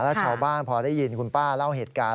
แล้วชาวบ้านพอได้ยินคุณป้าเล่าเหตุการณ์